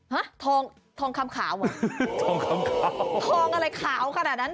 ห๊าทองคลำขาวเหรอทองอะไรขาวขนาดนั้น